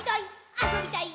あそびたい！